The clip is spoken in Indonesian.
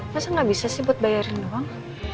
masa gak bisa sih buat bayarin doang